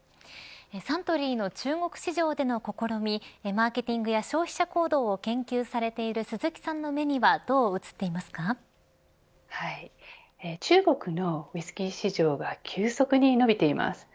サントリーの中国市場での試みマーケティングや消費者行動を研究されている鈴木さんの目には中国のウイスキー市場が急速に伸びています。